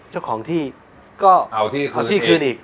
เจ้าของที่ก็ขอที่คืนอีก